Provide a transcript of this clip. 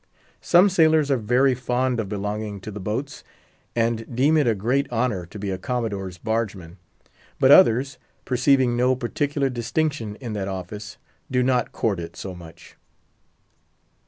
Some sailors are very fond of belonging to the boats, and deem it a great honour to be a Commodore's barge man; but others, perceiving no particular distinction in that office, do not court it so much.